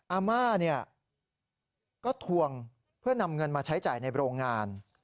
อาม่าเนี่ยก็ทวงเพื่อนำเงินมาใช้จ่ายในโรงงาน